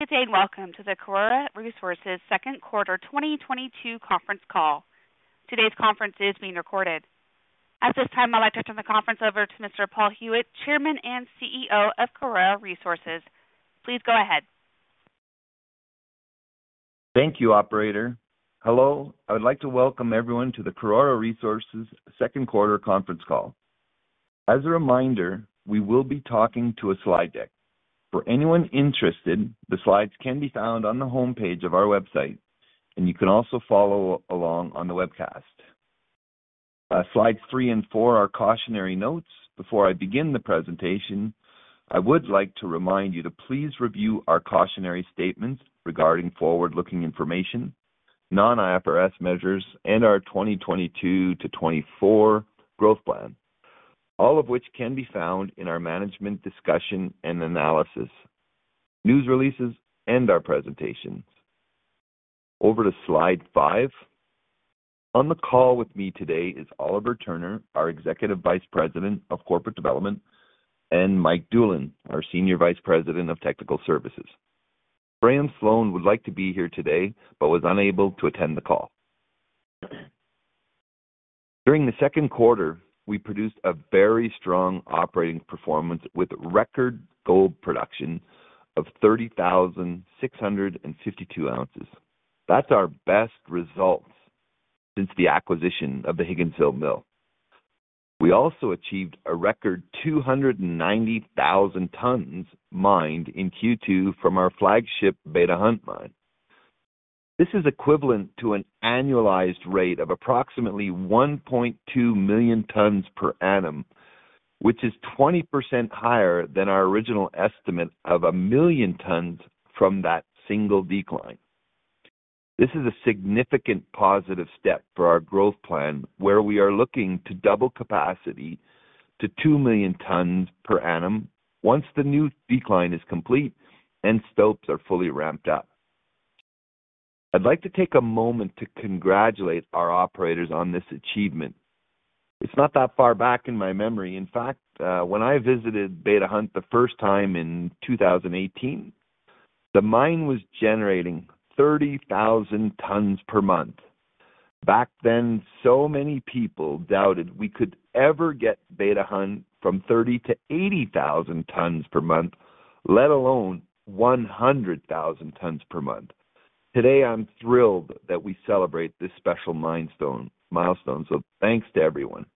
Good day and welcome to the Karora Resources Second Quarter 2022 Conference Call. Today's conference is being recorded. At this time, I'd like to turn the conference over to Mr. Paul Huet, Chairman and CEO of Karora Resources. Please go ahead. Thank you, operator. Hello. I would like to welcome everyone to the Karora Resources Second Quarter Conference Call. As a reminder, we will be talking to a slide deck. For anyone interested, the slides can be found on the homepage of our website, and you can also follow along on the webcast. Slides three and four are cautionary notes. Before I begin the presentation, I would like to remind you to please review our cautionary statements regarding forward-looking information, non-IFRS measures, and our 2022-2024 growth plan, all of which can be found in our management's discussion and analysis, news releases, and our presentations. Over to slide five. On the call with me today is Oliver Turner, our Executive Vice President of Corporate Development, and Mike Doolan, our Senior Vice President of Technical Services. Brian Szeto would like to be here today but was unable to attend the call. During the second quarter, we produced a very strong operating performance with record gold production of 30,652 oz. That's our best results since the acquisition of the Higginsville mill. We also achieved a record 290,000 tons mined in Q2 from our flagship Beta Hunt mine. This is equivalent to an annualized rate of approximately 1.2 Mtpa, which is 20% higher than our original estimate of 1 million tons from that single decline. This is a significant positive step for our growth plan, where we are looking to double capacity to 2 Mtpa once the new decline is complete and stopes are fully ramped up. I'd like to take a moment to congratulate our operators on this achievement. It's not that far back in my memory. In fact, when I visited Beta Hunt the first time in 2018, the mine was generating 30,000 tpm. Back then, so many people doubted we could ever get Beta Hunt from 30,000 to 80,000 tpm, let alone 100,000 tpm. Today, I'm thrilled that we celebrate this special milestone, so thanks to everyone.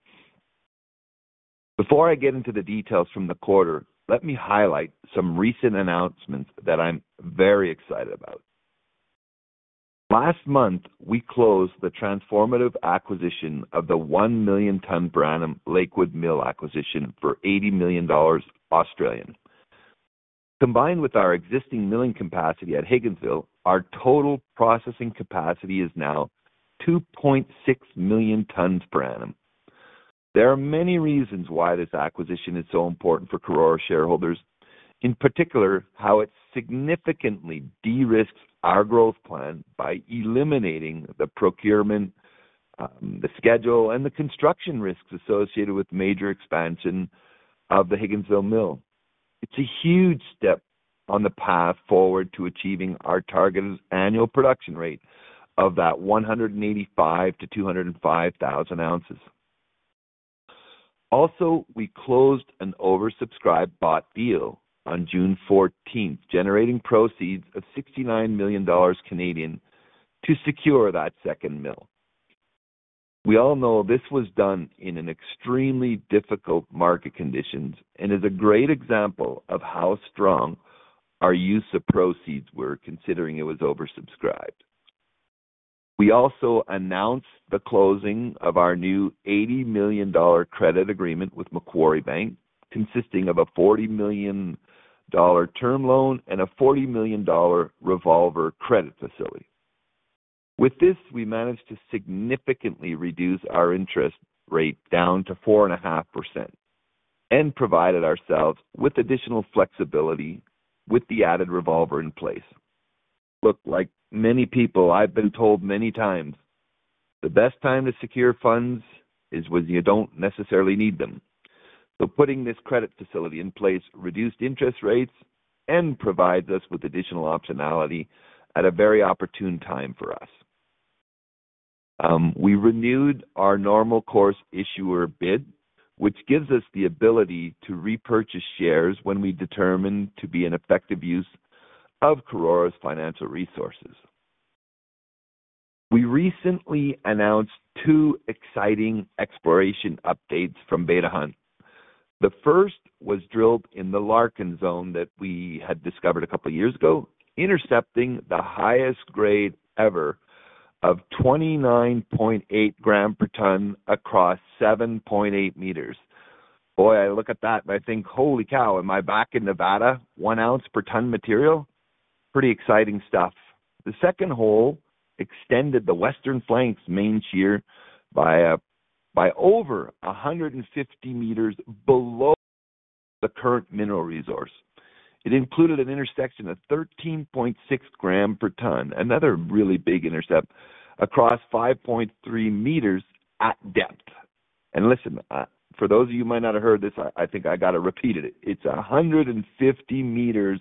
Before I get into the details from the quarter, let me highlight some recent announcements that I'm very excited about. Last month, we closed the transformative acquisition of the 1 million ton per annum Lakewood Mill acquisition for 80 million Australian dollars. Combined with our existing milling capacity at Higginsville, our total processing capacity is now 2.6 Mtpa. There are many reasons why this acquisition is so important for Karora shareholders, in particular, how it significantly de-risks our growth plan by eliminating the procurement, the schedule, and the construction risks associated with major expansion of the Higginsville Mill. It's a huge step on the path forward to achieving our target annual production rate of That figure, 185,000 to 205,000 oz. Also, we closed an oversubscribed bought deal on June 14, generating proceeds of 69 million Canadian dollars to secure that second mill. We all know this was done in an extremely difficult market conditions and is a great example of how strong our use of proceeds were considering it was oversubscribed. We also announced the closing of our new 80 million dollar credit agreement with Macquarie Bank, consisting of a 40 million dollar term loan and a 40 million dollar revolver credit facility. With this, we managed to significantly reduce our interest rate down to 4.5% and provided ourselves with additional flexibility with the added revolver in place. Look, like many people, I've been told many times, the best time to secure funds is when you don't necessarily need them. So putting this credit facility in place reduced interest rates and provides us with additional optionality at a very opportune time for us. We renewed our normal course issuer bid, which gives us the ability to repurchase shares when we determine to be an effective use of Karora's financial resources. We recently announced two exciting exploration updates from Beta Hunt. The first was drilled in the Larkin Zone that we had discovered a couple of years ago, intercepting the highest grade ever of 29.8 g/t across 7.8 meters. Boy, I look at that and I think, "Holy cow, am I back in Nevada?" One ounce per ton material? Pretty exciting stuff. The second hole extended the Western Flanks main shear by over 150 meters below the current mineral resource. It included an intersection of 13.6 g/t, another really big intercept across 5.3 meters at depth. Listen, for those of you who might not have heard this, I think I got to repeat it. It's 150 meters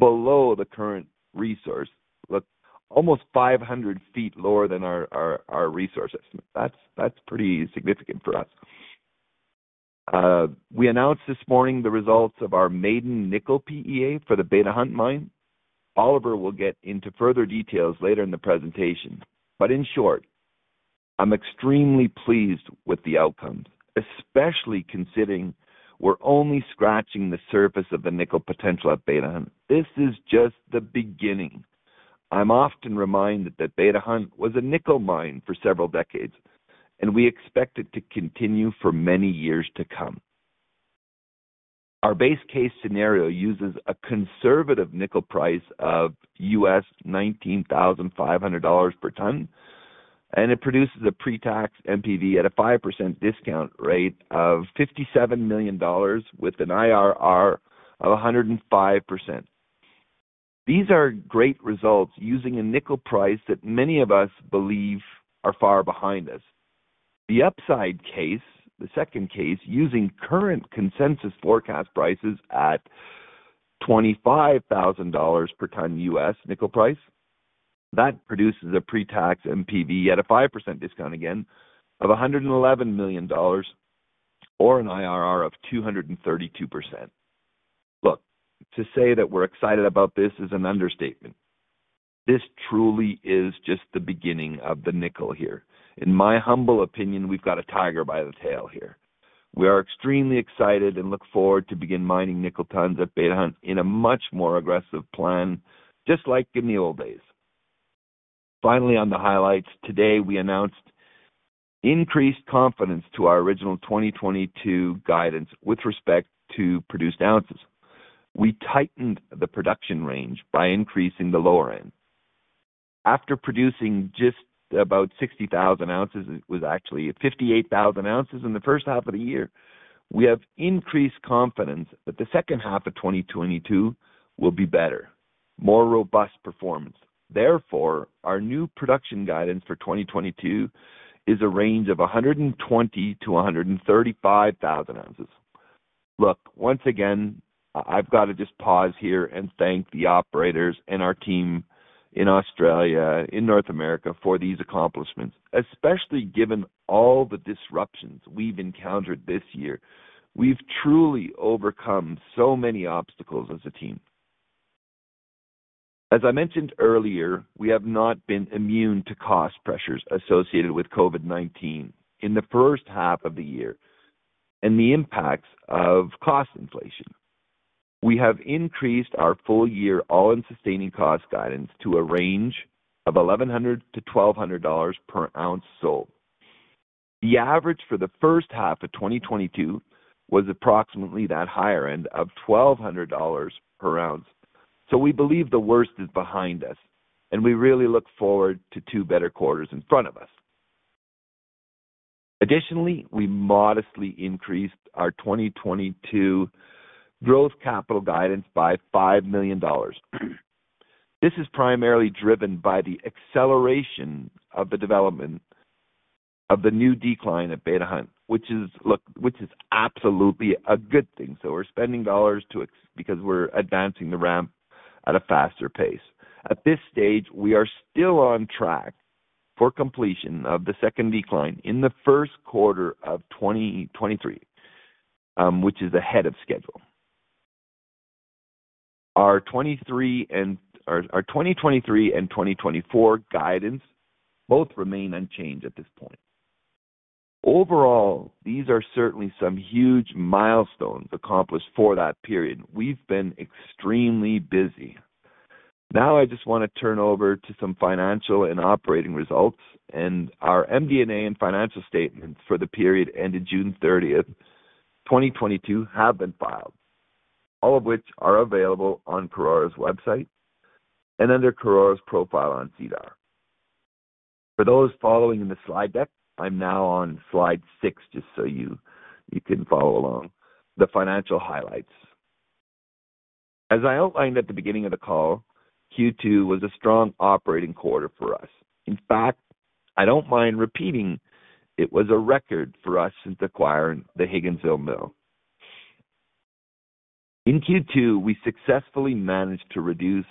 below the current resource. Look, almost 500 ft lower than our resources. That's pretty significant for us. We announced this morning the results of our Maiden Nickel PEA for the Beta Hunt mine. Oliver will get into further details later in the presentation, but in short, I'm extremely pleased with the outcomes, especially considering we're only scratching the surface of the nickel potential at Beta Hunt. This is just the beginning. I'm often reminded that Beta Hunt was a nickel mine for several decades, and we expect it to continue for many years to come. Our base case scenario uses a conservative nickel price of $19,500 per ton, and it produces a pre-tax NPV at a 5% discount rate of $57 million with an IRR of 105%. These are great results using a nickel price that many of us believe are far behind us. The upside case, the second case, using current consensus forecast prices at a $25,000 per ton nickel price, that produces a pre-tax NPV at a 5% discount again of $111 million or an IRR of 232%. Look, to say that we're excited about this is an understatement. This truly is just the beginning of the nickel here. In my humble opinion, we've got a tiger by the tail here. We are extremely excited and look forward to begin mining nickel tons at Beta Hunt in a much more aggressive plan, just like in the old days. Finally, on the highlights, today we announced increased confidence to our original 2022 guidance with respect to produced ounces. We tightened the production range by increasing the lower end. After producing just about 60,000 oz, it was actually 58,000 oz in the first half of the year. We have increased confidence that the second half of 2022 will be better, more robust performance. Therefore, our new production guidance for 2022 is a range of 120,000-135,000 oz. Look, once again, I've got to just pause here and thank the operators and our team in Australia, in North America for these accomplishments, especially given all the disruptions we've encountered this year. We've truly overcome so many obstacles as a team. As I mentioned earlier, we have not been immune to cost pressures associated with COVID-19 in the first half of the year and the impacts of cost inflation. We have increased our full year all-in sustaining cost guidance to a range of 1,100-1,200 dollars per ounce sold. The average for the first half of 2022 was approximately that higher end of 1,200 dollars per ounce. We believe the worst is behind us, and we really look forward to two better quarters in front of us. Additionally, we modestly increased our 2022 growth capital guidance by $5 million. This is primarily driven by the acceleration of the development of the new decline at Beta Hunt, which is absolutely a good thing. We're spending dollars because we're advancing the ramp at a faster pace. At this stage, we are still on track for completion of the second decline in the first quarter of 2023, which is ahead of schedule. Our 2023 and... Our 2023 and 2024 guidance both remain unchanged at this point. Overall, these are certainly some huge milestones accomplished for that period. We've been extremely busy. Now I just wanna turn over to some financial and operating results, and our MD&A and financial statements for the period ending June 30th, 2022 have been filed, all of which are available on Karora's website and under Karora's profile on SEDAR. For those following the slide deck, I'm now on slide six, just so you can follow along the financial highlights. As I outlined at the beginning of the call, Q2 was a strong operating quarter for us. In fact, I don't mind repeating it was a record for us since acquiring the Higginsville mill. In Q2, we successfully managed to reduce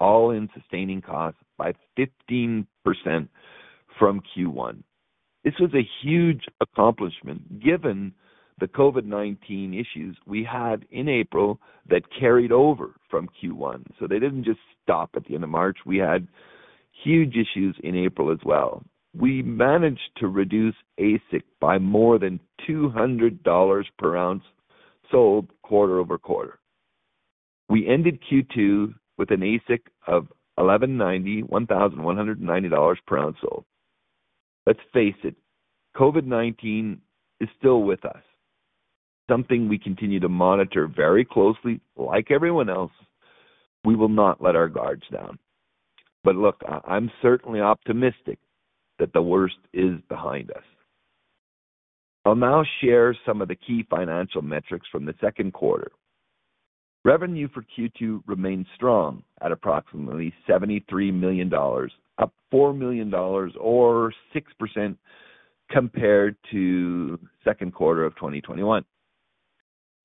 all-in sustaining costs by 15% from Q1. This was a huge accomplishment given the COVID-19 issues we had in April that carried over from Q1. They didn't just stop at the end of March. We had huge issues in April as well. We managed to reduce AISC by more than 200 dollars per ounce sold quarter-over-quarter. We ended Q2 with an AISC of 1,190 dollars per ounce sold. Let's face it, COVID-19 is still with us, something we continue to monitor very closely like everyone else. We will not let our guards down. Look, I'm certainly optimistic that the worst is behind us. I'll now share some of the key financial metrics from the second quarter. Revenue for Q2 remained strong at approximately 73 million dollars, up 4 million dollars or 6% compared to second quarter of 2021.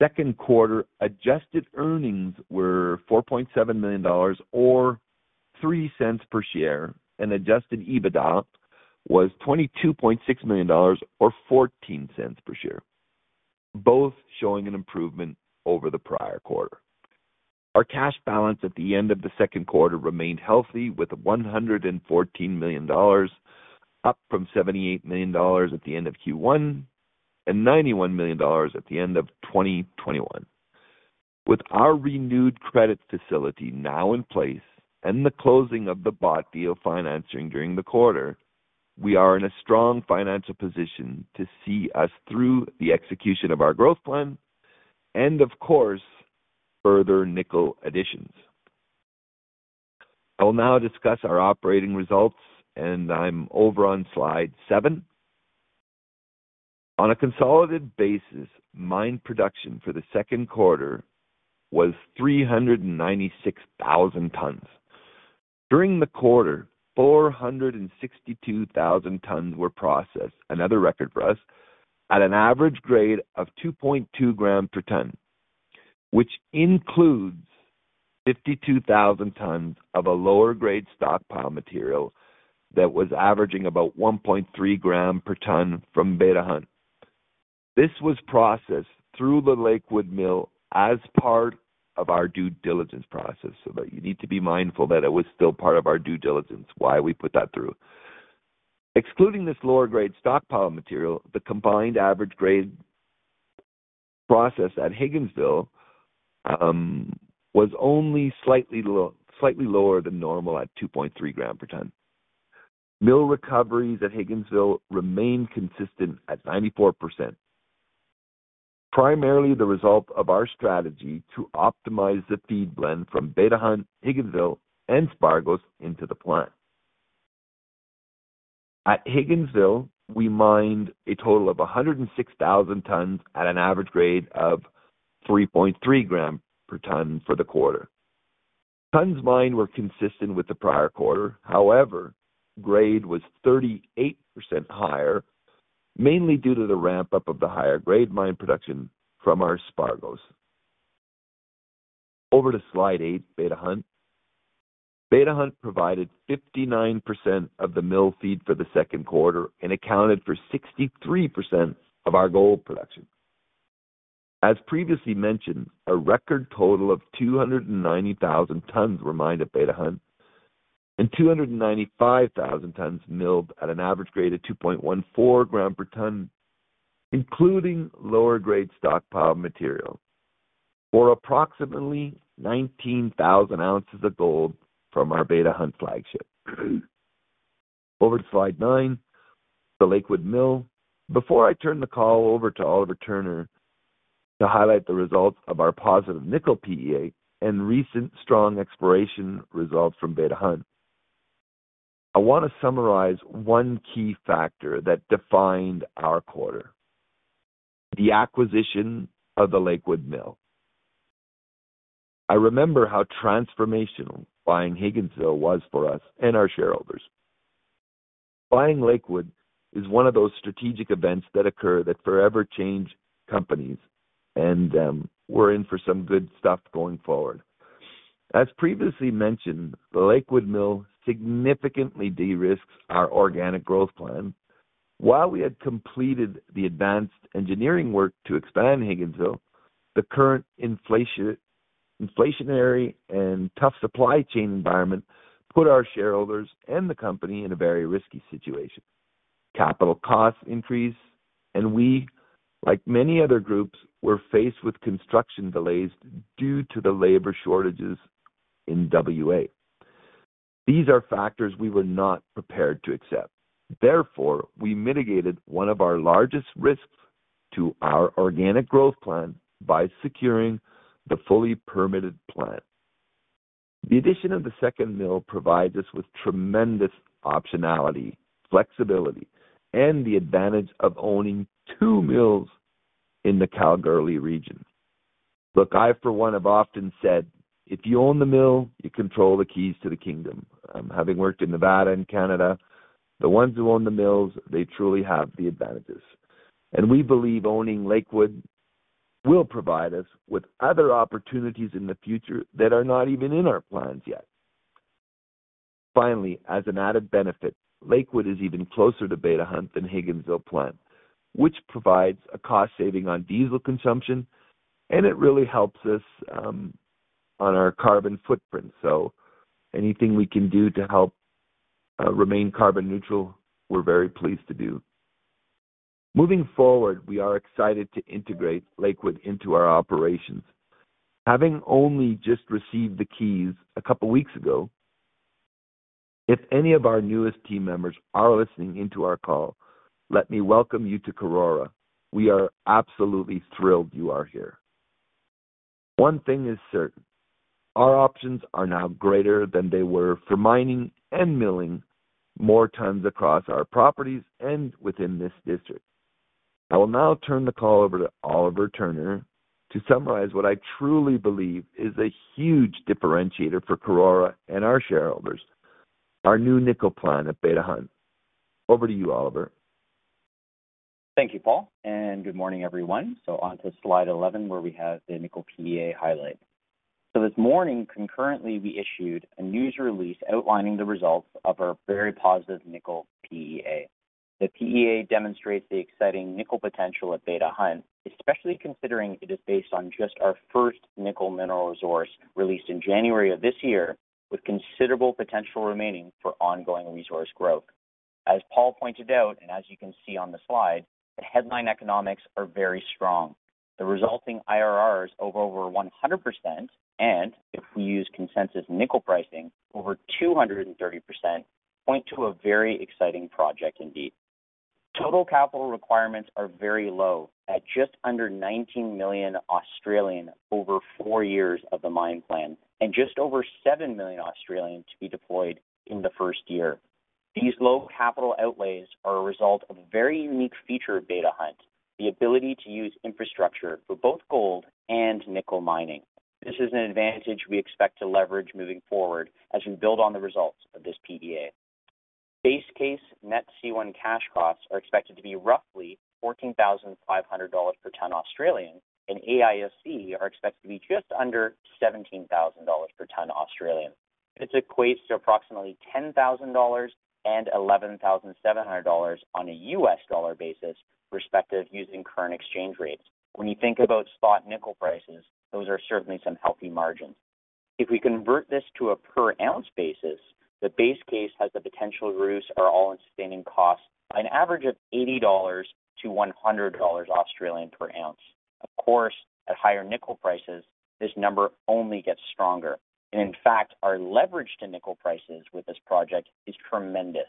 Second quarter adjusted earnings were 4.7 million dollars or 0.03 per share, and adjusted EBITDA was 22.6 million dollars or 0.14 per share, both showing an improvement over the prior quarter. Our cash balance at the end of the second quarter remained healthy with 114 million dollars, up from 78 million dollars at the end of Q1 and 91 million dollars at the end of 2021. With our renewed credit facility now in place and the closing of the bought deal financing during the quarter, we are in a strong financial position to see us through the execution of our growth plan and of course, further nickel additions. I will now discuss our operating results, and I'm over on slide seven. On a consolidated basis, mine production for the second quarter was 396,000 tons. During the quarter, 462,000 tons were processed, another record for us, at an average grade of 2.2 g/t, which includes 52,000 tons of a lower grade stockpile material that was averaging about 1.3 g/t from Beta Hunt. This was processed through the Lakewood Mill as part of our due diligence process, so that you need to be mindful that it was still part of our due diligence, why we put that through. Excluding this lower grade stockpile material, the combined average grade processed at Higginsville was only slightly low, slightly lower than normal at 2.3 g/t. Mill recoveries at Higginsville remain consistent at 94%, primarily the result of our strategy to optimize the feed blend from Beta Hunt, Higginsville and Spargos into the plant. At Higginsville, we mined a total of 106,000 tons at an average grade of 3.3 g/t for the quarter. Tons mined were consistent with the prior quarter. However, grade was 38% higher, mainly due to the ramp-up of the higher grade mine production from our Spargos. Over to slide eight, Beta Hunt. Beta Hunt provided 59% of the mill feed for the second quarter and accounted for 63% of our gold production. As previously mentioned, a record total of 290,000 tons were mined at Beta Hunt and 295,000 tons milled at an average grade of 2.14 g/t, including lower grade stockpile material, for approximately 19,000 ounces of gold from our Beta Hunt flagship. Over to slide nine, the Lakewood Mill. Before I turn the call over to Oliver Turner to highlight the results of our positive nickel PEA and recent strong exploration results from Beta Hunt, I want to summarize one key factor that defined our quarter, the acquisition of the Lakewood Mill. I remember how transformational buying Higginsville was for us and our shareholders. Buying Lakewood is one of those strategic events that occur that forever change companies, and we're in for some good stuff going forward. As previously mentioned, the Lakewood Mill significantly de-risks our organic growth plan. While we had completed the advanced engineering work to expand Higginsville, the current inflationary and tough supply chain environment put our shareholders and the company in a very risky situation. Capital costs increased, and we, like many other groups, were faced with construction delays due to the labor shortages in WA. These are factors we were not prepared to accept. Therefore, we mitigated one of our largest risks to our organic growth plan by securing the fully permitted plant. The addition of the second mill provides us with tremendous optionality, flexibility, and the advantage of owning two mills in the Kalgoorlie region. Look, I, for one, have often said, "If you own the mill, you control the keys to the kingdom." Having worked in Nevada and Canada, the ones who own the mills, they truly have the advantages. We believe owning Lakewood will provide us with other opportunities in the future that are not even in our plans yet. Finally, as an added benefit, Lakewood is even closer to Beta Hunt than Higginsville plant, which provides a cost saving on diesel consumption, and it really helps us on our carbon footprint. Anything we can do to help remain carbon neutral, we're very pleased to do. Moving forward, we are excited to integrate Lakewood into our operations. Having only just received the keys a couple weeks ago, if any of our newest team members are listening into our call, let me welcome you to Karora. We are absolutely thrilled you are here. One thing is certain, our options are now greater than they were for mining and milling more tons across our properties and within this district. I will now turn the call over to Oliver Turner to summarize what I truly believe is a huge differentiator for Karora and our shareholders, our new nickel plan at Beta Hunt. Over to you, Oliver. Thank you, Paul, and good morning, everyone. On to slide 11, where we have the nickel PEA highlight. This morning, concurrently, we issued a news release outlining the results of our very positive nickel PEA. The PEA demonstrates the exciting nickel potential at Beta Hunt, especially considering it is based on just our first nickel mineral resource released in January of this year, with considerable potential remaining for ongoing resource growth. As Paul pointed out, and as you can see on the slide, the headline economics are very strong. The resulting IRRs of over 100% and, if we use consensus nickel pricing, over 230% point to a very exciting project indeed. Total capital requirements are very low at just under 19 million over four years of the mine plan and just over 7 million to be deployed in the first year. These low capital outlays are a result of a very unique feature of Beta Hunt, the ability to use infrastructure for both gold and nickel mining. This is an advantage we expect to leverage moving forward as we build on the results of this PEA. Base case net C1 cash costs are expected to be roughly 14,500 dollars per ton, and AISC are expected to be just under 17,000 dollars per ton. This equates to approximately $10,000 and $11,700 on a U.S dollar basis, respectively, using current exchange rates. When you think about spot nickel prices, those are certainly some healthy margins. If we convert this to a per ounce basis, the base case has the potential to reduce our all-in sustaining cost an average of 80-100 dollars per ounce. Of course, at higher nickel prices, this number only gets stronger. In fact, our leverage to nickel prices with this project is tremendous,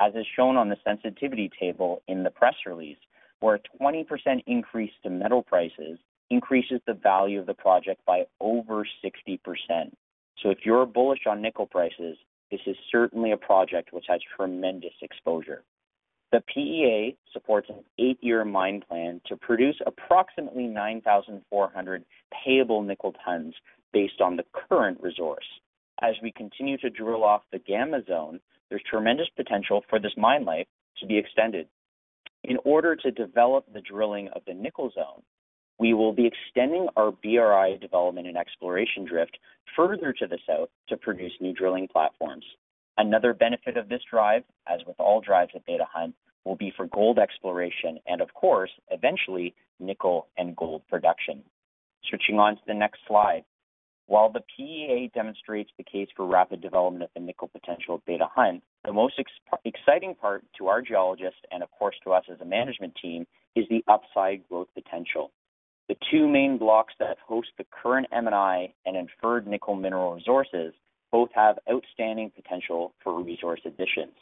as is shown on the sensitivity table in the press release, where a 20% increase to metal prices increases the value of the project by over 60%. If you're bullish on nickel prices, this is certainly a project which has tremendous exposure. The PEA supports an 8-year mine plan to produce approximately 9,400 payable nickel tons based on the current resource. As we continue to drill off the Gamma zone, there's tremendous potential for this mine life to be extended. In order to develop the drilling of the nickel zone, we will be extending our BRI development and exploration drift further to the south to produce new drilling platforms. Another benefit of this drive, as with all drives at Beta Hunt, will be for gold exploration and of course, eventually, nickel and gold production. Switching on to the next slide. While the PEA demonstrates the case for rapid development of the nickel potential of Beta Hunt, the most exciting part to our geologists and of course to us as a management team is the upside growth potential. The two main blocks that host the current M&I and inferred nickel mineral resources both have outstanding potential for resource additions.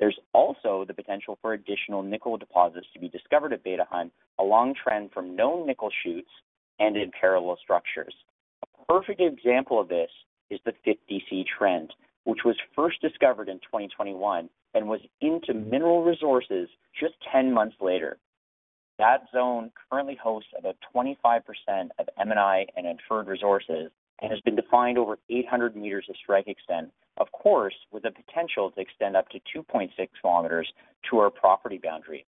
There's also the potential for additional nickel deposits to be discovered at Beta Hunt along trend from known nickel shoots and in parallel structures. A perfect example of this is the 50C trend, which was first discovered in 2021 and was into mineral resources just 10 months later. That zone currently hosts about 25% of M&I and inferred resources and has been defined over 800 meters of strike extent, of course, with the potential to extend up to 2.6 km to our property boundary.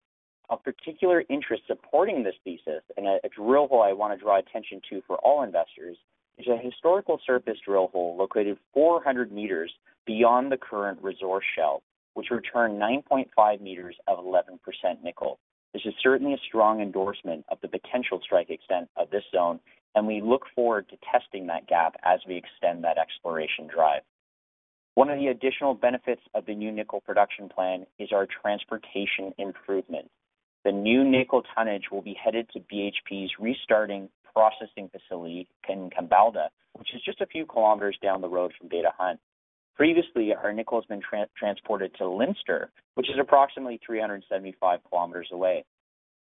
Of particular interest supporting this thesis, and a drill hole I want to draw attention to for all investors, is a historical surface drill hole located 400 meters beyond the current resource shell, which returned 9.5 meters of 11% nickel. This is certainly a strong endorsement of the potential strike extent of this zone, and we look forward to testing that gap as we extend that exploration drive. One of the additional benefits of the new nickel production plan is our transportation improvement. The new nickel tonnage will be headed to BHP's restarting processing facility in Kambalda, which is just a few kilometers down the road from Beta Hunt. Previously, our nickel's been transported to Leinster, which is approximately 375 km away.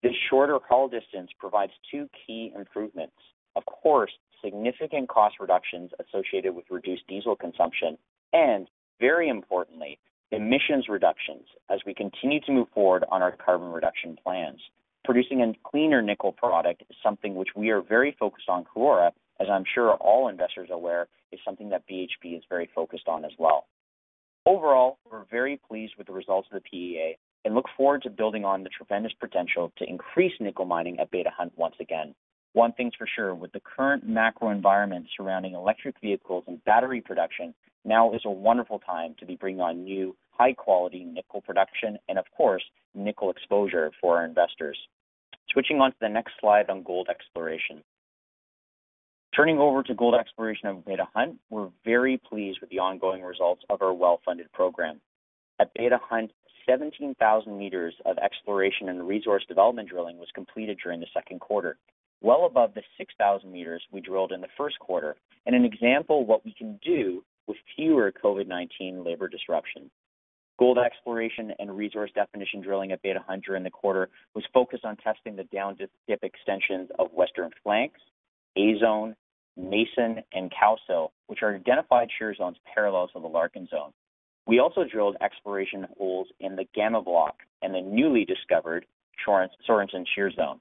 This shorter haul distance provides two key improvements. Of course, significant cost reductions associated with reduced diesel consumption and, very importantly, emissions reductions as we continue to move forward on our carbon reduction plans. Producing a cleaner nickel product is something which we are very focused on Karora, as I'm sure all investors are aware is something that BHP is very focused on as well. Overall, we're very pleased with the results of the PEA and look forward to building on the tremendous potential to increase nickel mining at Beta Hunt once again. One thing's for sure, with the current macro environment surrounding electric vehicles and battery production, now is a wonderful time to be bringing on new high-quality nickel production and of course, nickel exposure for our investors. Switching on to the next slide on gold exploration. Turning over to gold exploration of Beta Hunt, we're very pleased with the ongoing results of our well-funded program. At Beta Hunt, 17,000 meters of exploration and resource development drilling was completed during the second quarter, well above the 6,000 meters we drilled in the first quarter and an example what we can do with fewer COVID-19 labor disruptions. Gold exploration and resource definition drilling at Beta Hunt during the quarter was focused on testing the down dip extensions of Western Flanks, A Zone, Mason, and Cowcill, which are identified shear zones parallel to the Larkin Zone. We also drilled exploration holes in the Gamma block and the newly discovered Sorensen shear zone.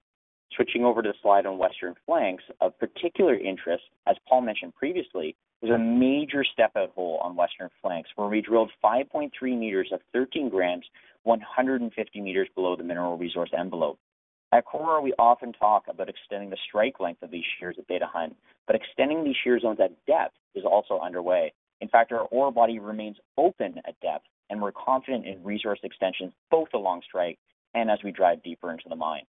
Switching over to the slide on Western Flanks. Of particular interest, as Paul mentioned previously, was a major step out hole on Western Flanks, where we drilled 5.3 meters of 13 g, 150 meters below the mineral resource envelope. At Karora, we often talk about extending the Strike Length of these shears at Beta Hunt, but extending these shear zones at depth is also underway. In fact, our ore body remains open at depth, and we're confident in resource extensions both along strike and as we drive deeper into the mine.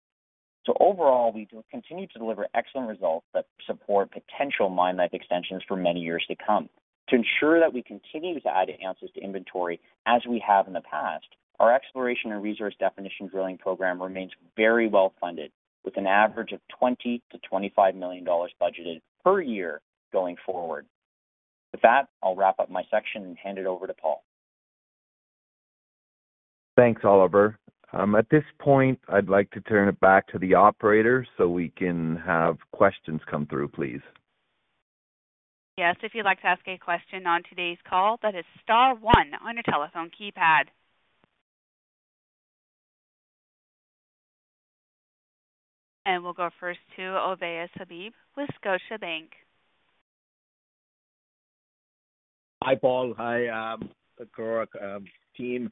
Overall, we do continue to deliver excellent results that support potential mine life extensions for many years to come. To ensure that we continue to add ounces to inventory as we have in the past, our exploration and resource definition drilling program remains very well funded, with an average of 20 million-25 million dollars budgeted per year going forward. With that, I'll wrap up my section and hand it over to Paul. Thanks, Oliver. At this point, I'd like to turn it back to the operator so we can have questions come through, please. Yes. If you'd like to ask a question on today's call, that is star one on your telephone keypad. We'll go first to Ovais Habib with Scotiabank. Hi, Paul. Hi, Karora team.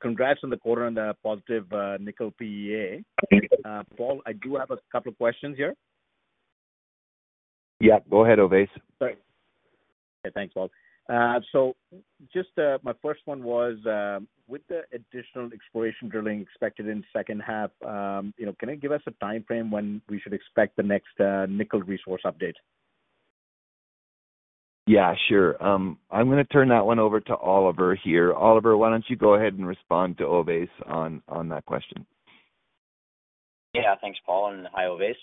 Congrats on the quarter on the positive nickel PEA. Paul, I do have a couple of questions here. Yeah, go ahead, Ovais. Sorry. Thanks, Paul. Just my first one was, with the additional exploration drilling expected in second half, you know, can you give us a timeframe when we should expect the next nickel resource update? Yeah, sure. I'm gonna turn that one over to Oliver here. Oliver, why don't you go ahead and respond to Ovais on that question. Yeah. Thanks, Paul, and hi Ovais.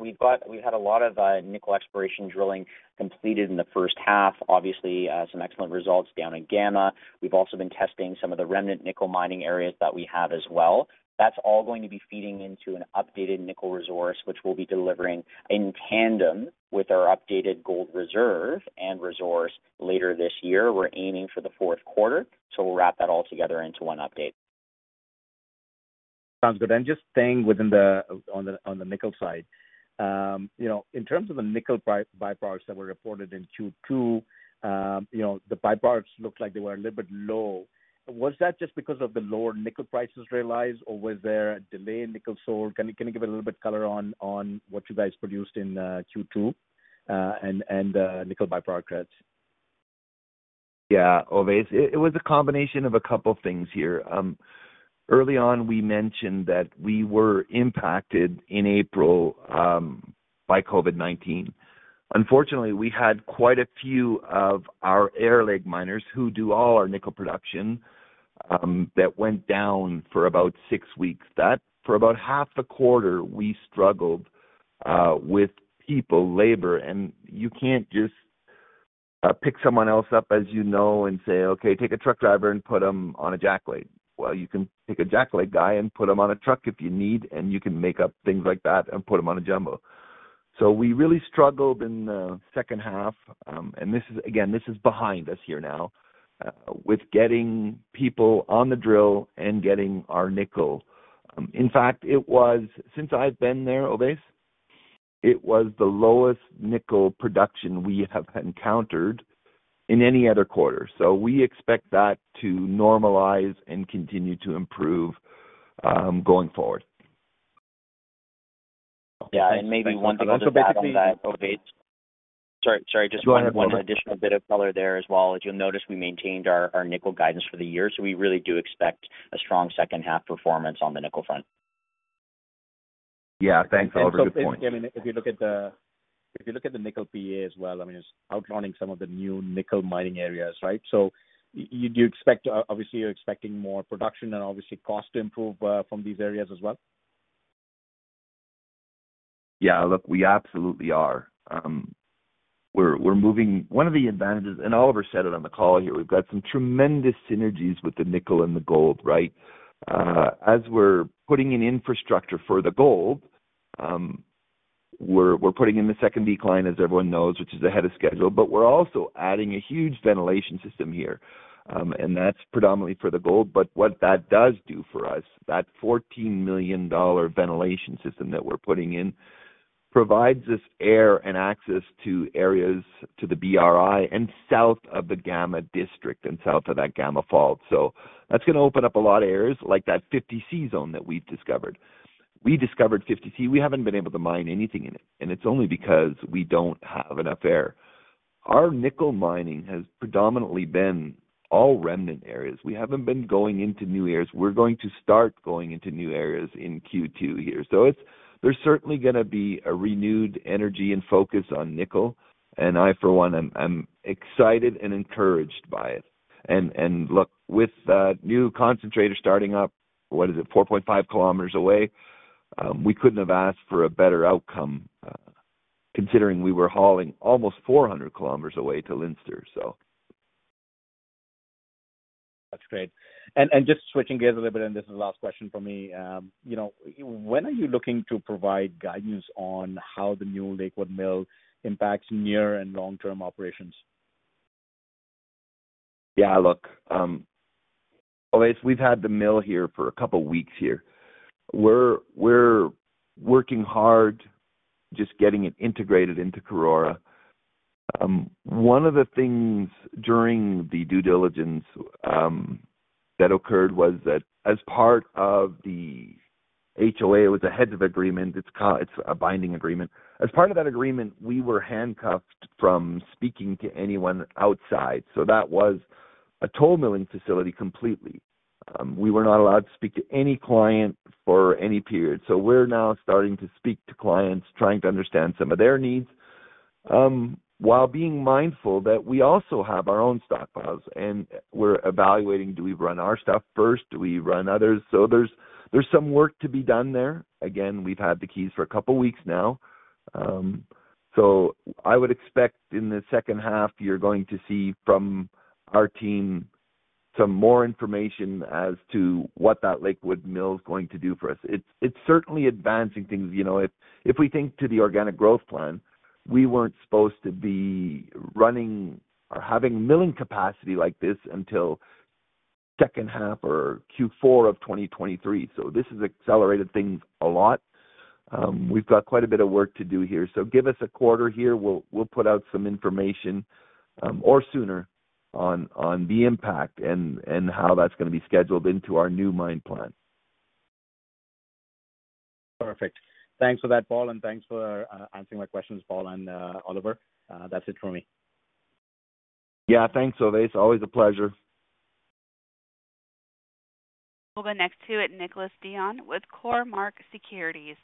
We've got. We had a lot of nickel exploration drilling completed in the first half, obviously, some excellent results down at Gamma. We've also been testing some of the remnant nickel mining areas that we have as well. That's all going to be feeding into an updated nickel resource, which we'll be delivering in tandem with our updated gold reserve and resource later this year. We're aiming for the fourth quarter, so we'll wrap that all together into one update. Sounds good. Just staying on the nickel side, you know, in terms of the nickel byproducts that were reported in Q2, you know, the byproducts looked like they were a little bit low. Was that just because of the lower nickel prices realized or was there a delay in nickel sold? Can you give a little bit color on what you guys produced in Q2 and nickel byproducts? Yeah. Ovais, it was a combination of a couple things here. Early on, we mentioned that we were impacted in April by COVID-19. Unfortunately, we had quite a few of our air leg miners who do all our nickel production that went down for about six weeks. That, for about half the quarter, we struggled with people, labor, and you can't just pick someone else up as you know and say, "Okay, take a truck driver and put him on a jack leg." Well, you can take a jack leg guy and put him on a truck if you need, and you can make up things like that and put him on a jumbo. We really struggled in the second half, and this is, again, behind us here now with getting people on the drill and getting our nickel. In fact, since I've been there, Ovais, it was the lowest nickel production we have encountered in any other quarter. We expect that to normalize and continue to improve going forward. Yeah. Maybe one thing I'll just add on that, Ovais. Sorry. Just one additional bit of color there as well. As you'll notice, we maintained our nickel guidance for the year, so we really do expect a strong second half performance on the nickel front. Yeah. Thanks, Oliver. Good point. If you look at the nickel PEA as well, I mean, it's outrunning some of the new nickel mining areas, right? You do expect, obviously, you're expecting more production and obviously costs to improve from these areas as well. Yeah. Look, we absolutely are. We're moving. One of the advantages, and Oliver said it on the call here, we've got some tremendous synergies with the nickel and the gold, right? As we're putting in infrastructure for the gold, we're putting in the second decline, as everyone knows, which is ahead of schedule, but we're also adding a huge ventilation system here, and that's predominantly for the gold. But what that does do for us, that 14 million dollar ventilation system that we're putting in provides us air and access to areas to the BRI and south of the Gamma district and south of that Gamma fault. So that's gonna open up a lot of areas like that 50C zone that we've discovered. We discovered 50C. We haven't been able to mine anything in it, and it's only because we don't have enough air. Our nickel mining has predominantly been all remnant areas. We haven't been going into new areas. We're going to start going into new areas in Q2 here. It's, there's certainly gonna be a renewed energy and focus on nickel. I, for one, I'm excited and encouraged by it. Look, with that new concentrator starting up, what is it, 4.5 kl away, we couldn't have asked for a better outcome, considering we were hauling almost 400 kl away to Leinster. That's great. Just switching gears a little bit, and this is the last question from me. You know, when are you looking to provide guidance on how the new Lakewood mill impacts near and long-term operations? Yeah, look, we've had the mill here for a couple of weeks here. We're working hard just getting it integrated into Karora. One of the things during the due diligence that occurred was that as part of the HOA, it was a heads of agreement. It's a binding agreement. As part of that agreement, we were handcuffed from speaking to anyone outside, so that was a toll milling facility completely. We were not allowed to speak to any client for any period. We're now starting to speak to clients, trying to understand some of their needs, while being mindful that we also have our own stockpiles and we're evaluating, do we run our stuff first? Do we run others? There's some work to be done there. Again, we've had the keys for a couple of weeks now. I would expect in the second half, you're going to see from our team some more information as to what that Lakewood mill is going to do for us. It's certainly advancing things. You know, if we think to the organic growth plan, we weren't supposed to be running or having milling capacity like this until second half or Q4 of 2023. This has accelerated things a lot. We've got quite a bit of work to do here. Give us a quarter here. We'll put out some information, or sooner on the impact and how that's gonna be scheduled into our new mine plan. Perfect. Thanks for that, Paul, and thanks for answering my questions, Paul and Oliver. That's it for me. Yeah. Thanks, Ovais. Always a pleasure. We'll go next to Nicolas Dion with Cormark Securities.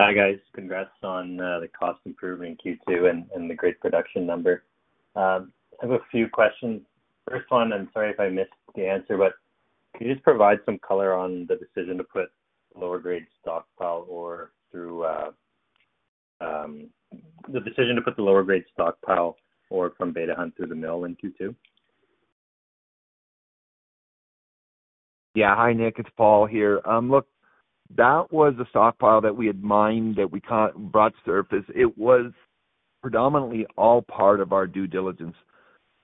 Hi, guys. Congrats on the cost improvement in Q2 and the great production number. I have a few questions. First one, I'm sorry if I missed the answer, but could you just provide some color on the decision to put the lower grade stockpile ore from Beta Hunt through the mill in Q2? Yeah. Hi, Nick. It's Paul here. Look, that was a stockpile that we had mined, that we brought to surface. It was predominantly all part of our due diligence.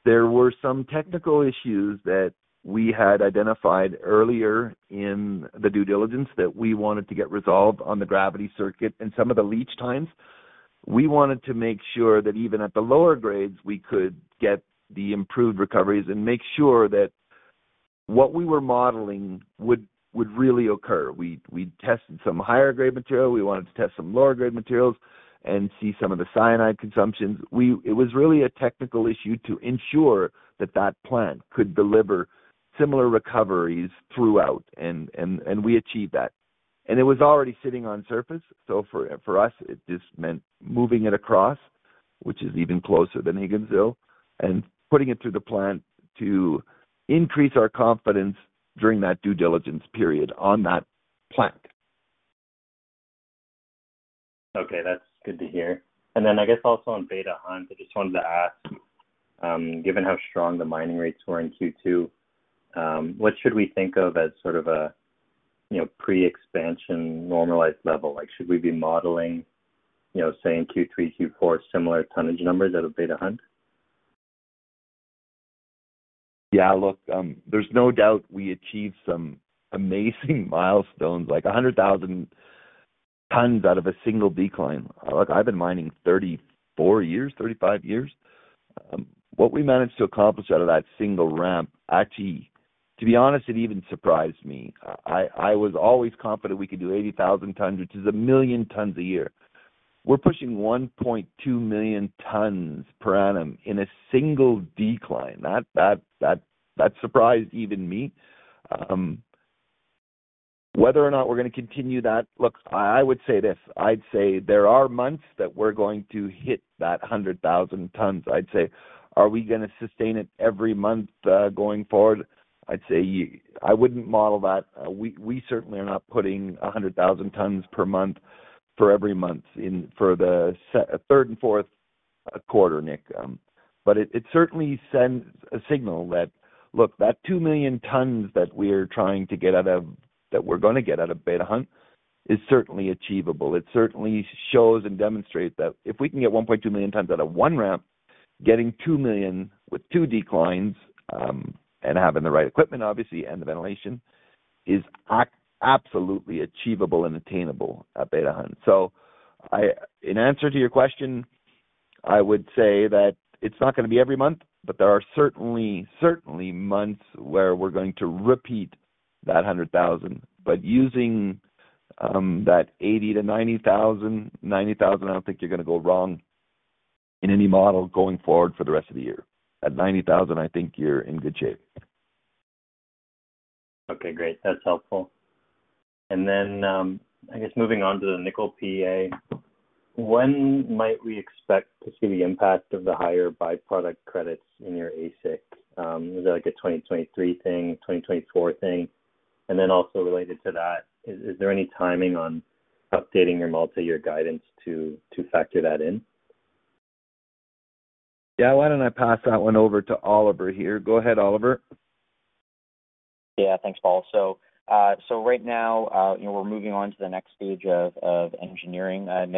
There were some technical issues that we had identified earlier in the due diligence that we wanted to get resolved on the gravity circuit and some of the leach times. We wanted to make sure that even at the lower grades, we could get the improved recoveries and make sure that what we were modeling would really occur. We tested some higher grade material. We wanted to test some lower grade materials and see some of the cyanide consumptions. It was really a technical issue to ensure that that plant could deliver similar recoveries throughout, and we achieved that. It was already sitting on surface. For us, it just meant moving it across, which is even closer than Higginsville, and putting it through the plant to increase our confidence during that due diligence period on that plant. Okay, that's good to hear. Then I guess also on Beta Hunt, I just wanted to ask, given how strong the mining rates were in Q2, what should we think of as sort of a, you know, pre-expansion normalized level? Like, should we be modeling, you know, saying Q3, Q4, similar tonnage numbers out of Beta Hunt? Yeah. Look, there's no doubt we achieved some amazing milestones, like 100,000 tons out of a single decline. Look, I've been mining 34 years, 35 years. What we managed to accomplish out of that single ramp, actually, to be honest, it even surprised me. I was always confident we could do 80,000 tons, which is a million tons a year. We're pushing 1.2 Mtpa in a single decline. That surprised even me. Whether or not we're gonna continue that. Look, I would say this, I'd say there are months that we're going to hit that 100,000 tons. I'd say, are we gonna sustain it every month going forward? I'd say I wouldn't model that. We certainly are not putting 100,000 tpm for every month in for the third and fourth quarter, Nick. But it certainly sends a signal that, look, that 2 million tons that we're gonna get out of Beta Hunt is certainly achievable. It certainly shows and demonstrates that if we can get 1.2 million tons out of one ramp, getting 2 million with two declines, and having the right equipment, obviously, and the ventilation is absolutely achievable and attainable at Beta Hunt. In answer to your question, I would say that it's not gonna be every month, but there are certainly months where we're going to repeat that 100,000. Using that 80,000-90,000, I don't think you're gonna go wrong in any model going forward for the rest of the year. At 90,000 I think you're in good shape. Okay, great. That's helpful. I guess moving on to the nickel PEA, when might we expect to see the impact of the higher byproduct credits in your AISC? Is that like a 2023 thing, 2024 thing? Also related to that, is there any timing on updating your multi-year guidance to factor that in? Yeah, why don't I pass that one over to Oliver here. Go ahead, Oliver. Yeah. Thanks, Paul. Right now, you know, we're moving on to the next stage of engineering on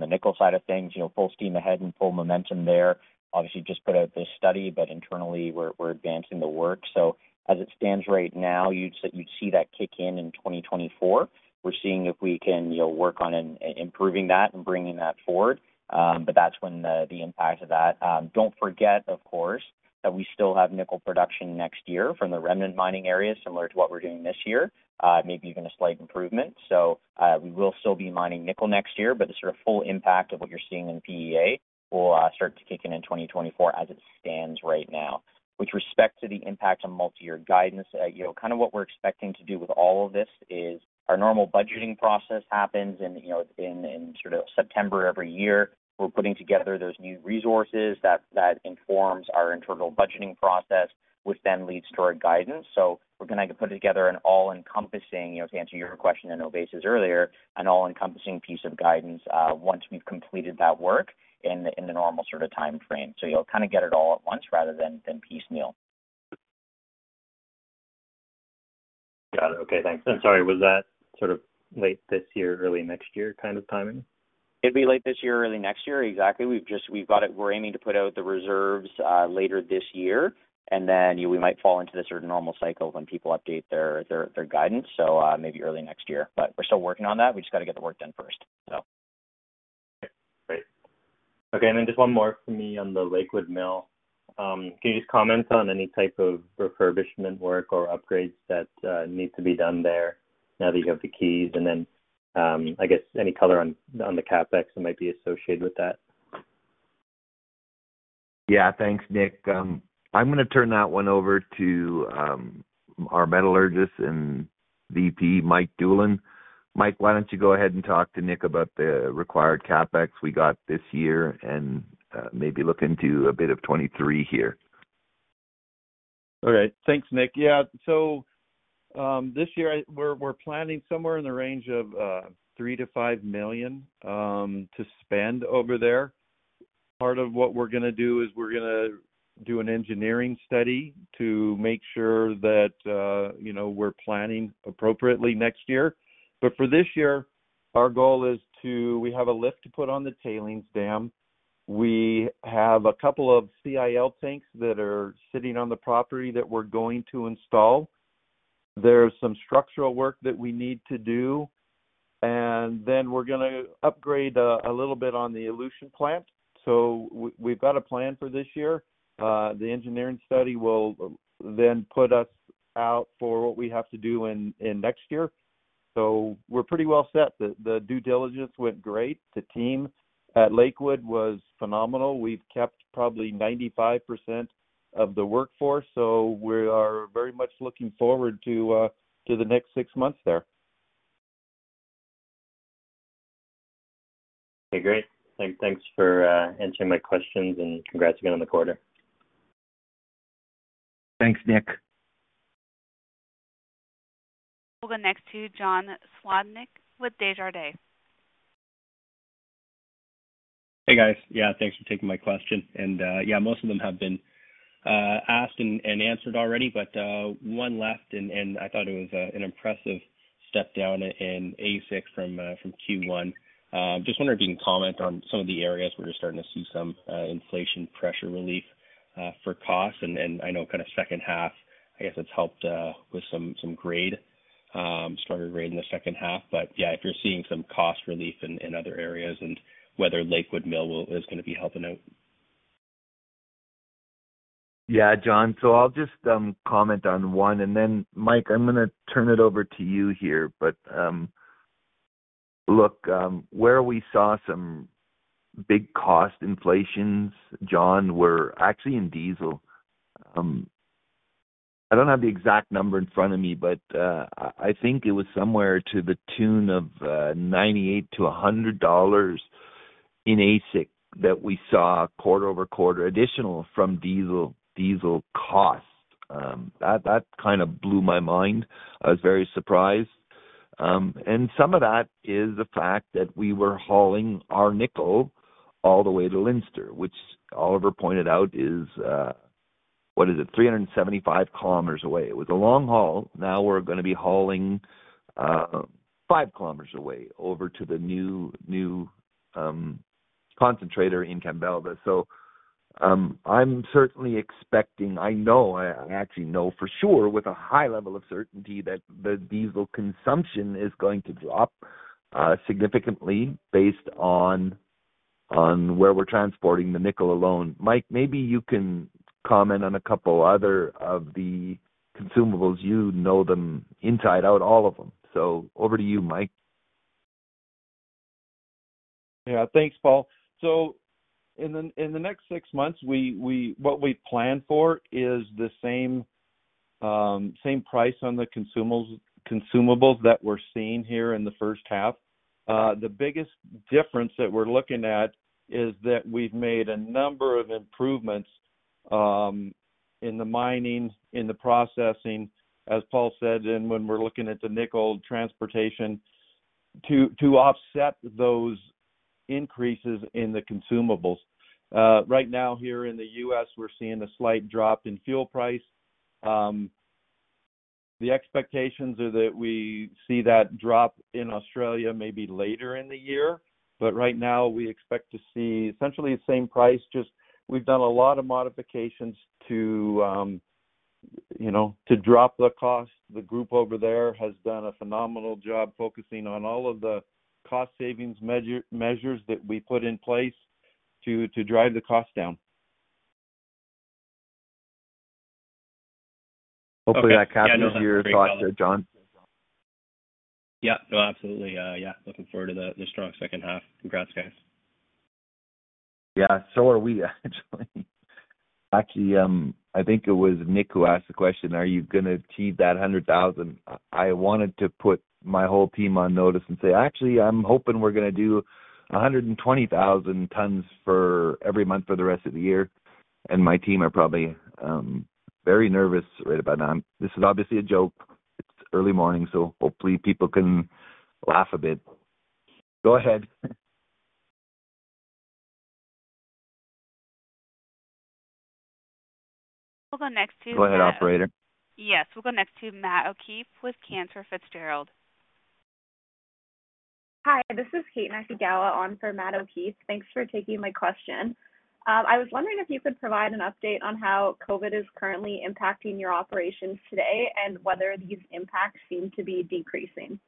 the nickel side of things, you know, full steam ahead and full momentum there. Obviously just put out this study, but internally we're advancing the work. As it stands right now, you'd see that kick in in 2024. We're seeing if we can, you know, work on improving that and bringing that forward. That's when the impact of that. Don't forget, of course, that we still have nickel production next year from the remnant mining areas, similar to what we're doing this year, maybe even a slight improvement. We will still be mining nickel next year, but the sort of full impact of what you're seeing in PEA will start to kick in in 2024 as it stands right now. With respect to the impact on multi-year guidance, you know, kind of what we're expecting to do with all of this is our normal budgeting process happens in, you know, sort of September every year. We're putting together those new resources that informs our internal budgeting process, which then leads to our guidance. We're gonna put together an all-encompassing, you know, to answer your question and Ovais earlier, an all-encompassing piece of guidance, once we've completed that work in the normal sort of timeframe. You'll kind of get it all at once rather than piecemeal. Got it. Okay, thanks. I'm sorry, was that sort of late this year, early next year kind of timing? It'd be late this year, early next year. Exactly. We've got it. We're aiming to put out the reserves later this year, and then we might fall into the sort of normal cycle when people update their guidance, so maybe early next year. We're still working on that. We just got to get the work done first. Great. Okay. Then just one more for me on the Lakewood Mill. Can you just comment on any type of refurbishment work or upgrades that need to be done there now that you have the keys? Then, I guess any color on the CapEx that might be associated with that? Yeah. Thanks, Nick. I'm gonna turn that one over to our metallurgist and VP, Mike Doolan. Mike, why don't you go ahead and talk to Nick about the required CapEx we got this year and maybe look into a bit of 2023 here. All right. Thanks, Nick. Yeah. This year we're planning somewhere in the range of 3 million-5 million to spend over there. Part of what we're gonna do is we're gonna do an engineering study to make sure that you know we're planning appropriately next year. For this year, our goal is to. We have a lift to put on the tailings dam. We have a couple of CIL tanks that are sitting on the property that we're going to install. There's some structural work that we need to do, and then we're gonna upgrade a little bit on the elution plant. We've got a plan for this year. The engineering study will then put us out for what we have to do in next year. We're pretty well set. The due diligence went great. The team at Lakewood was phenomenal. We've kept probably 95% of the workforce, so we are very much looking forward to the next six months there. Okay, great. Thanks for answering my questions and congrats again on the quarter. Thanks, Nick. We'll go next to John Sclodnick with Desjardins. Hey, guys. Yeah, thanks for taking my question. Yeah, most of them have been asked and answered already, but one left and I thought it was an impressive step down in AISC from Q1. Just wondering if you can comment on some of the areas where you're starting to see some inflation pressure relief for costs. I know kind of second half, I guess it's helped with some stronger grade in the second half. But yeah, if you're seeing some cost relief in other areas and whether Lakewood Mill will be helping out. Yeah, John, I'll just comment on one and then Mike, I'm gonna turn it over to you here. Look, where we saw some big cost inflations, John, were actually in diesel. I don't have the exact number in front of me, but I think it was somewhere to the tune of 98-100 dollars in AISC that we saw quarter-over-quarter additional from diesel costs. That kind of blew my mind. I was very surprised. Some of that is the fact that we were hauling our nickel all the way to Leinster, which Oliver pointed out is 375 km away. It was a long haul. Now we're gonna be hauling 5 km away over to the new concentrator in Kambalda. I'm certainly expecting, I know, I actually know for sure with a high level of certainty that the diesel consumption is going to drop significantly based on where we're transporting the nickel alone. Mike, maybe you can comment on a couple other of the consumables. You know them inside out, all of them. Over to you, Mike. Yeah. Thanks, Paul. In the next six months, what we plan for is the same price on the consumables that we're seeing here in the first half. The biggest difference that we're looking at is that we've made a number of improvements. In the mining, in the processing, as Paul said, and when we're looking at the nickel transportation to offset those increases in the consumables. Right now here in the U.S, we're seeing a slight drop in fuel price. The expectations are that we see that drop in Australia maybe later in the year. Right now we expect to see essentially the same price. Just we've done a lot of modifications to, you know, to drop the cost. The group over there has done a phenomenal job focusing on all of the cost savings measures that we put in place to drive the cost down. Okay. Hopefully that captures your thoughts there, John. Yeah. No, absolutely. Yeah, looking forward to the strong second half. Congrats, guys. Yeah, are we, actually. I think it was Nicolas who asked the question, are you gonna achieve that 100,000? I wanted to put my whole team on notice and say, "Actually, I'm hoping we're gonna do 120,000 tons every month for the rest of the year." My team are probably very nervous right about now. This is obviously a joke. It's early morning, so hopefully people can laugh a bit. Go ahead. We'll go next to. Go ahead, operator. Yes. We'll go next to Matthew O'Keefe with Cantor Fitzgerald. Hi, this is Kate Nakagawa on for Matthew O'Keefe. Thanks for taking my question. I was wondering if you could provide an update on how COVID is currently impacting your operations today and whether these impacts seem to be decreasing.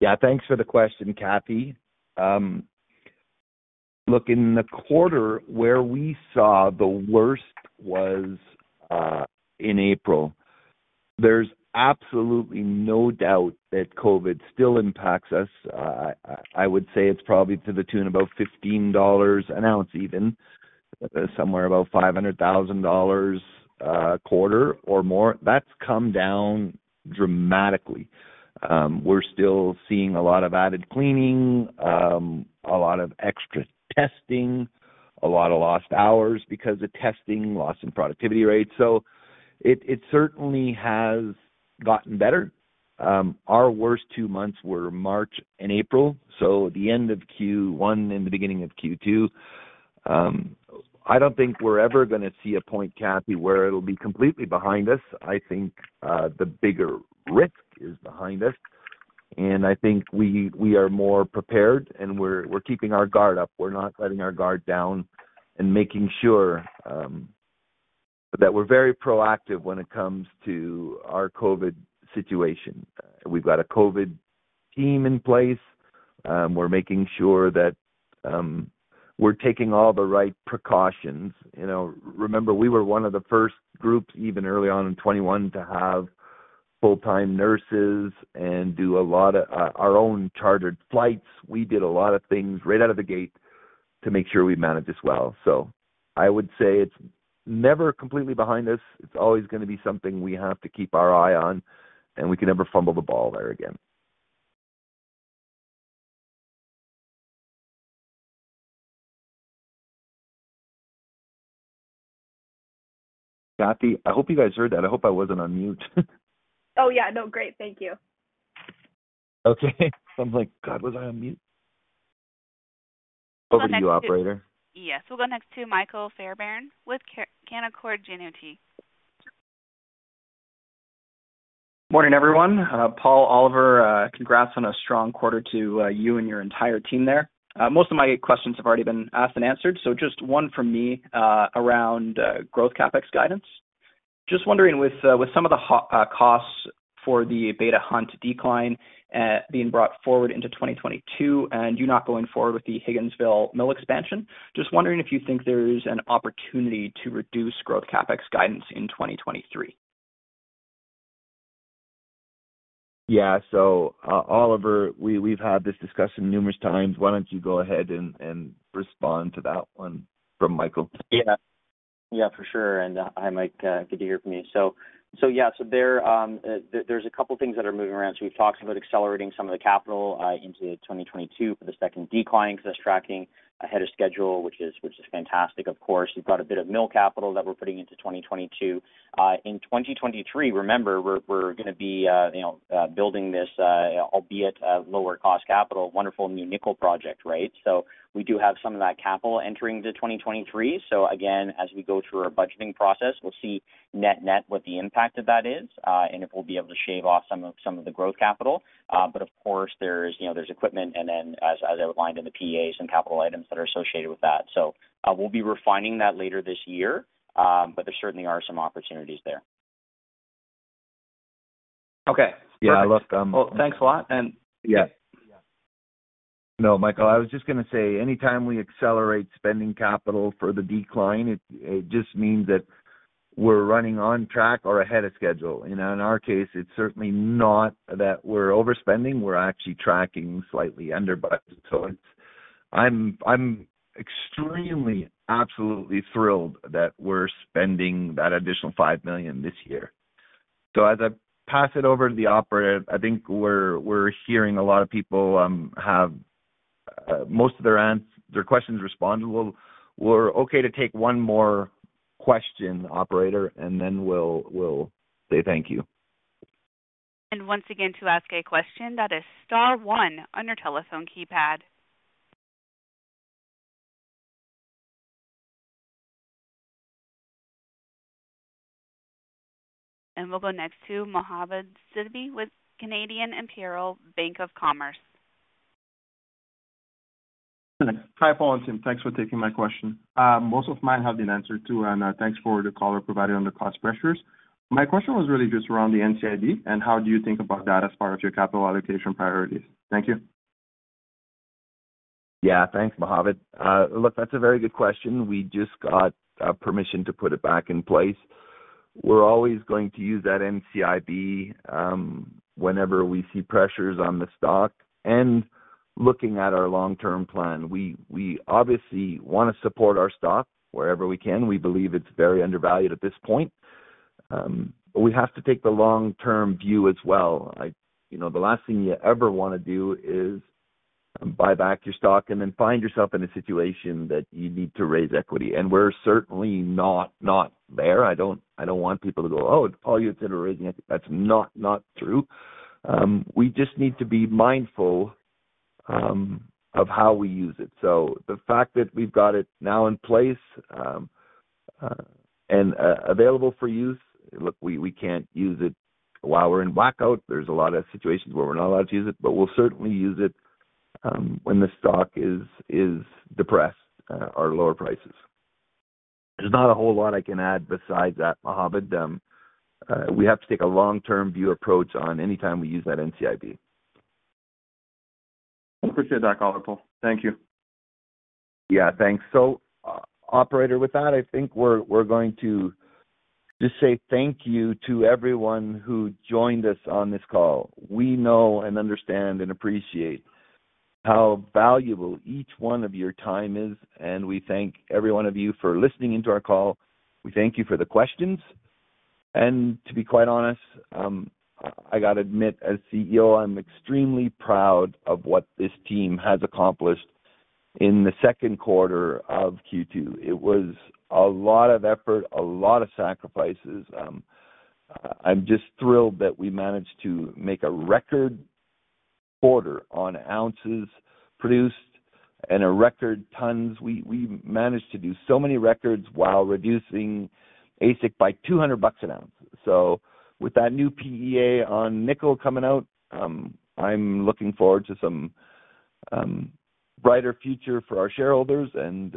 Yeah, thanks for the question, Cathy. Look, in the quarter where we saw the worst was in April. There's absolutely no doubt that COVID still impacts us. I would say it's probably to the tune about 15 dollars an ounce even. Somewhere about 500,000 dollars quarter or more. That's come down dramatically. We're still seeing a lot of added cleaning, a lot of extra testing, a lot of lost hours because of testing, loss in productivity rates. It certainly has gotten better. Our worst two months were March and April, so the end of Q1 and the beginning of Q2. I don't think we're ever gonna see a point, Cathy, where it'll be completely behind us. I think the bigger risk is behind us, and I think we are more prepared, and we're keeping our guard up. We're not letting our guard down and making sure that we're very proactive when it comes to our COVID situation. We've got a COVID team in place. We're making sure that we're taking all the right precautions. You know, remember we were one of the first groups, even early on in 2021, to have full-time nurses and do a lot of our own chartered flights. We did a lot of things right out of the gate to make sure we managed this well. I would say it's never completely behind us. It's always gonna be something we have to keep our eye on, and we can never fumble the ball there again. Cathy, I hope you guys heard that. I hope I wasn't on mute. Oh, yeah. No, great. Thank you. Okay. I was like, "God, was I on mute?" Over to you, operator. Yes. We'll go next to Michael Fairbairn with Canaccord Genuity. Morning, everyone. Paul, Oliver, congrats on a strong quarter. To you and your entire team there. Most of my questions have already been asked and answered, so just one from me, around growth CapEx guidance. Just wondering with some of the costs for the Beta Hunt decline being brought forward into 2022 and you not going forward with the Higginsville mill expansion, just wondering if you think there is an opportunity to reduce growth CapEx guidance in 2023. Yeah. Oliver, we've had this discussion numerous times. Why don't you go ahead and respond to that one from Michael? Yeah. Yeah, for sure. Hi, Mike, good to hear from you. Yeah. There, there's a couple things that are moving around. We've talked about accelerating some of the capital into 2022 for the second decline 'cause that's tracking ahead of schedule, which is fantastic, of course. We've got a bit of mill capital that we're putting into 2022. In 2023, remember, we're gonna be building this albeit lower cost capital wonderful new nickel project, right? We do have some of that capital entering into 2023. Again, as we go through our budgeting process, we'll see net net what the impact of that is, and if we'll be able to shave off some of the growth capital. Of course there's, you know, equipment and then as outlined in the PAs and capital items that are associated with that. We'll be refining that later this year, but there certainly are some opportunities there. Okay. Perfect. Yeah, look. Well, thanks a lot. Yeah. Yeah. No, Michael, I was just gonna say, anytime we accelerate spending capital for the decline, it just means that we're running on track or ahead of schedule. You know, in our case, it's certainly not that we're overspending. We're actually tracking slightly under budget. I'm extremely, absolutely thrilled that we're spending that additional 5 million this year. As I pass it over to the operator, I think we're hearing a lot of people have most of their questions responded. We're okay to take one more question, operator, and then we'll say thank you. Once again, to ask a question that is star one on your telephone keypad. We'll go next to Majid Mohammed with Canadian Imperial Bank of Commerce. Hi, Paul and Tim. Thanks for taking my question. Most of mine have been answered too. Thanks for the color provided on the cost pressures. My question was really just around the NCIB, and how do you think about that as part of your capital allocation priorities? Thank you. Yeah, thanks, Mohammed. Look, that's a very good question. We just got permission to put it back in place. We're always going to use that NCIB whenever we see pressures on the stock. Looking at our long-term plan, we obviously wanna support our stock wherever we can. We believe it's very undervalued at this point. But we have to take the long-term view as well. Like, you know, the last thing you ever wanna do is buy back your stock and then find yourself in a situation that you need to raise equity. We're certainly not there. I don't want people to go, "Oh, Paul, you're considering it." That's not true. We just need to be mindful of how we use it. The fact that we've got it now in place and available for use. Look, we can't use it while we're in blackout. There's a lot of situations where we're not allowed to use it, but we'll certainly use it when the stock is depressed or lower prices. There's not a whole lot I can add besides that, Mohammed. We have to take a long-term view approach on any time we use that NCIB. Appreciate that colorful. Thank you. Yeah, thanks. So, operator, with that, I think we're going to just say thank you to everyone who joined us on this call. We know and understand and appreciate how valuable each one of your time is, and we thank every one of you for listening into our call. We thank you for the questions. To be quite honest, I gotta admit, as CEO, I'm extremely proud of what this team has accomplished in the second quarter of Q2. It was a lot of effort, a lot of sacrifices. I'm just thrilled that we managed to make a record quarter on ounces produced and a record tons. We managed to do so many records while reducing AISC by $200 an ounce. With that new PEA on nickel coming out, I'm looking forward to some brighter future for our shareholders and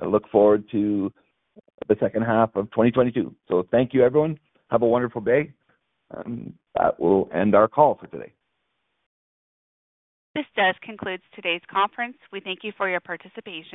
I look forward to the second half of 2022. Thank you, everyone. Have a wonderful day. That will end our call for today. This concludes today's conference. We thank you for your participation.